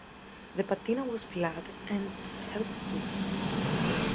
The patina was flat, and held soup.